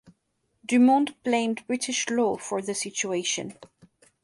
Dumont blamed British law for the situation.